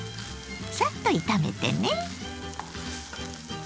サッと炒めてね。